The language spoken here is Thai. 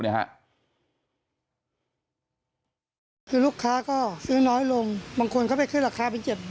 นะครับ